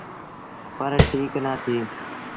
پر ٺيٚڪ نآ ٿئي۔